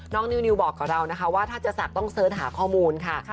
นิวบอกกับเรานะคะว่าถ้าจะศักดิ์ต้องเสิร์ชหาข้อมูลค่ะ